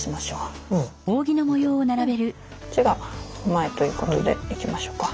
こっちが前ということでいきましょうか。